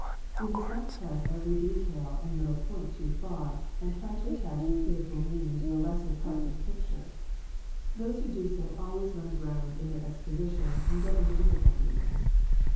We must not press every detail and little point too far, and try to attach a spiritual mean ing to the lesser parts of the picture. Those who do so always run aground in their exposition, and get into difflculties.